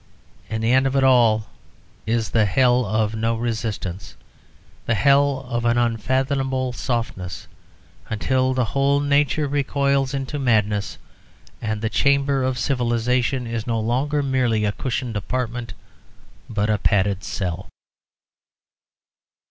And the end of it all is the hell of no resistance, the hell of an unfathomable softness, until the whole nature recoils into madness and the chamber of civilisation is no longer merely a cushioned apartment, but a padded cell.